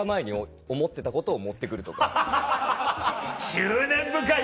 執念深いな！